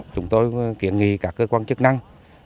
chúng tôi kiện nghị các cơ quan chức năng